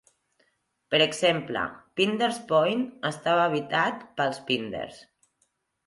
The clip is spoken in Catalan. Per exemple, Pinder's Point estava habitat pels pinders.